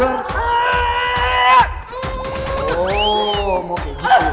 paling penting gak diperlukan